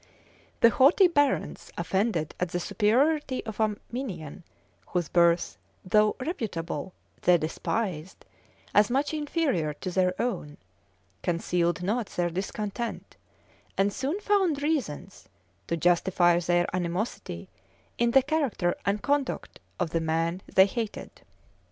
The haughty barons, offended at the superiority of a minion, whose birth, though reputable, they despised as much inferior to their own, concealed not their discontent; and soon found reasons to justify their animosity in the character and conduct of the man they hated.